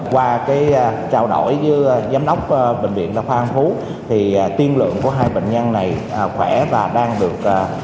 qua cái trao đổi với giám đốc bệnh viện đa khoa an phú thì tiên lượng của hai bệnh nhân này khỏe và đang được